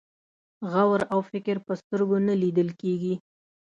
غور او فکر په سترګو نه لیدل کېږي.